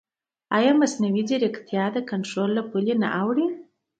ایا مصنوعي ځیرکتیا د کنټرول له پولې نه اوړي؟